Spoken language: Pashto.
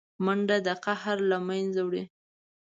منډه د قهر له منځه وړي